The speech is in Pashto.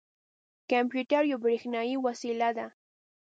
کمپیوټر یوه بریښنايې وسیله ده.